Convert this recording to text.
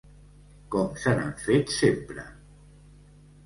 Com se n’han fet sempre.